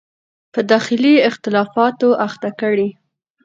په داخلي اختلافاتو اخته کړي.